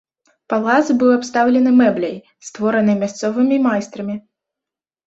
Палац быў абстаўлены мэбляй, створанай мясцовымі майстрамі.